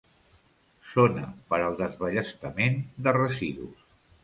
Zona per al desballestament de residus.